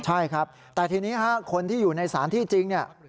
ใช่ครับแต่ทีนี้ค่ะคนที่อยู่ใน๓ที่จริง